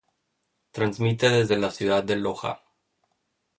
Transmite desde la ciudad de Loja.